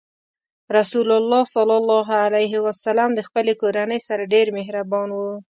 رسول الله ﷺ د خپلې کورنۍ سره ډېر مهربان و.